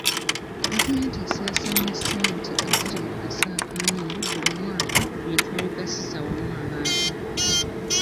Gavumenti esaasaanya ssente eziri mu kase kamu buli mwaka ku bintu ebigasiza awamu abantu.